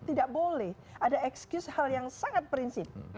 tidak boleh ada excuse hal yang sangat prinsip